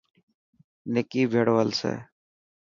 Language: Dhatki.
نڪي ڀيڙو هلسي.